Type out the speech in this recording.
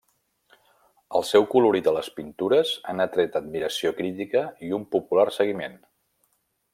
El seu colorit a les pintures han atret admiració crítica i un popular seguiment.